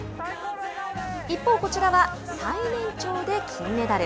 一方、こちらは最年長で金メダル。